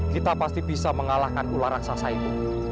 kita pasti bisa mengalahkan ular raksasa itu